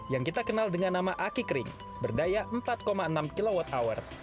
yang kita kenal dengan nama aki kering berdaya empat enam kwh